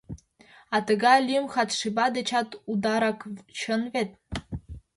А тыгай лӱм Хадшиба дечат ударак, чын вет?